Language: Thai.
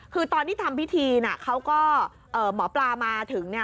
คือตอนที่ทำพิธีน่ะเขาก็หมอปลามาถึงเนี่ย